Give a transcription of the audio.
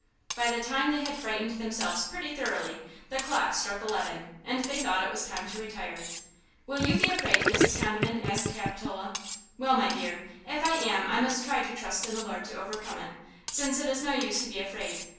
By the time they had frightened themselves pretty thoroughly the clock struck eleven and they thought it was time to retire. "Will you be afraid, Mrs. Condiment?" asked Capitola. "Well, my dear, if I am I must try to trust in the Lord to overcome it, since it is no use to be afraid.